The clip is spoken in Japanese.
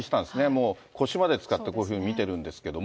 もう腰までつかって、こういうふうに見てるんですけど。